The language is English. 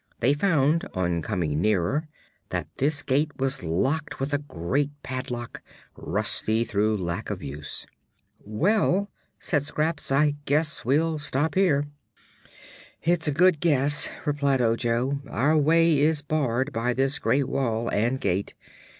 They found, on coming nearer, that this gate was locked with a great padlock, rusty through lack of use. "Well," said Scraps, "I guess we'll stop here." "It's a good guess," replied Ojo. "Our way is barred by this great wall and gate.